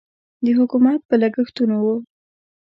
د حکومت په لګښتونو و.